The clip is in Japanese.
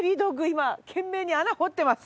今懸命に穴掘ってます。